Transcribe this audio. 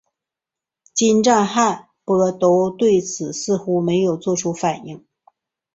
金帐汗拔都对此似乎没有作出反应。